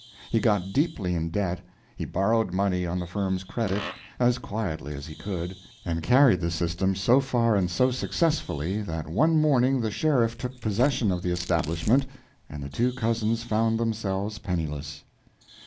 He got deeply in debt; he borrowed money on the firm's credit, as quietly as he could, and carried this system so far and so successfully that one morning the sheriff took possession of the establishment, and the two cousins found themselves penniless.